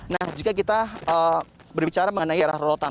nah jika kita berbicara mengenai daerah rorotan